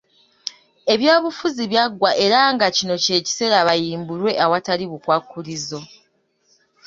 Ebyobufuzi byaggwa era nga kino kye kiseera bayimbulwe awatali bukwakkulizo .